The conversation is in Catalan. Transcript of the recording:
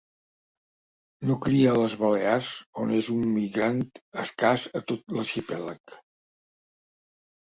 No cria a les Balears on és un migrant escàs a tot l'arxipèlag.